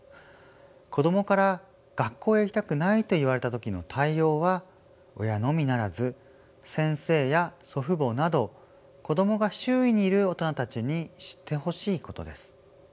子どもから「学校へ行きたくない」と言われた時の対応は親のみならず先生や祖父母など子どもが周囲にいる大人たちに知ってほしいことです。